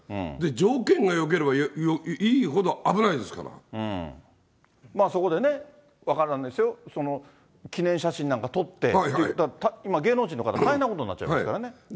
条件がよければいいほど危ないでそこでね、分からないですよ、記念写真なんか撮って、今、芸能人の方、大変なことになっちゃいますからね。